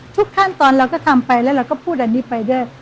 ทุกขั้นตอนเราก็ทำไปแล้วเราก็พูดอันนี้ไปด้วย